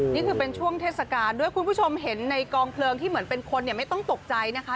นี่คือเป็นช่วงเทศกาลด้วยคุณผู้ชมเห็นในกองเพลิงที่เหมือนเป็นคนเนี่ยไม่ต้องตกใจนะคะ